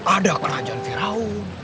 ada kerajaan firaun